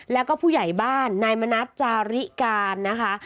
แล้วก็ผู้ใหญ่บ้านนายมณัฐจาริการนะคะ